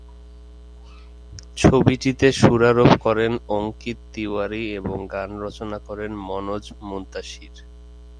ছবিটিতে সুরারোপ করেন অঙ্কিত তিওয়ারি এবং গান রচনা করেন মনোজ মুন্তাশির।